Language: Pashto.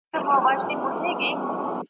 د بادار کور ,